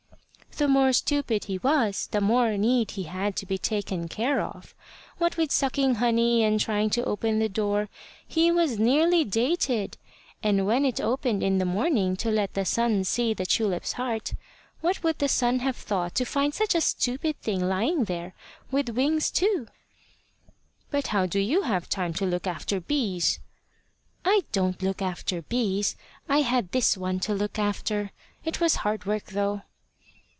"The more stupid he was the more need he had to be taken care of. What with sucking honey and trying to open the door, he was nearly dated; and when it opened in the morning to let the sun see the tulip's heart, what would the sun have thought to find such a stupid thing lying there with wings too?" "But how do you have time to look after bees?" "I don't look after bees. I had this one to look after. It was hard work, though."